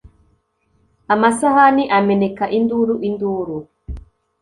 amasahani ameneka, induru, induru.